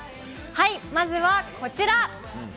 まずはこちら。